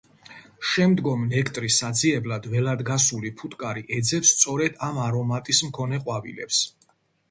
შემდგომ ნექტრის საძიებლად ველად გასული ფუტკარი ეძებს სწორედ ამ არომატის მქონე ყვავილებს.